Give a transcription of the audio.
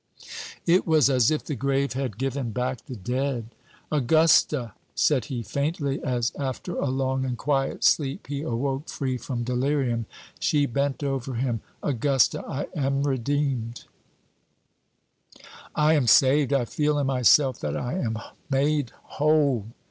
It was as if the grave had given back the dead. "Augusta!" said he, faintly, as, after a long and quiet sleep, he awoke free from delirium. She bent over him. "Augusta, I am redeemed I am saved I feel in myself that I am made whole."